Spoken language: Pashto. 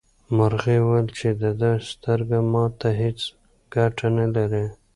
مرغۍ وویل چې د ده سترګه ماته هیڅ ګټه نه لري.